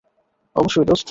অবশ্যই, দোস্ত।